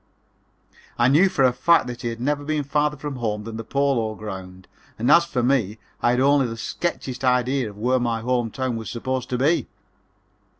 I knew for a fact that he had never been farther from home than the Polo Grounds, and as for me I had only the sketchiest idea of where my home town was supposed to be.